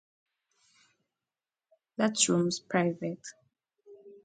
That room's private!